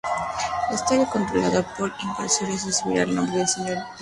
Esta área controlada por los invasores recibiría el nombre de Señorío de Irlanda.